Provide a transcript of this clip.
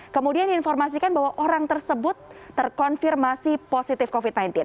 kemudian diinformasikan bahwa orang tersebut terkonfirmasi positif covid sembilan belas